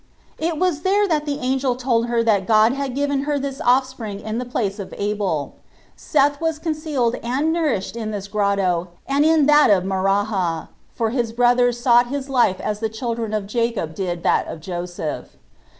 It was there that the angel told her that God had given her this offspring in the place of Abel. Seth was concealed and nourished in this grotto and in that of Maraha, for his brothers sought his life as the children of Jacob did that of Joseph.